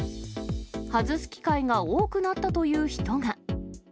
外す機会が多くなったという人が。